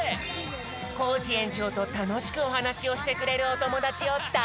コージえんちょうとたのしくおはなしをしてくれるおともだちをだ